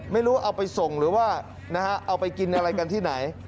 ไม่รู้เอาไปส่งหรือว่าเอาไปกินอะไรกันที่ไหน